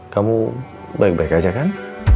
kamu baik baik aja kan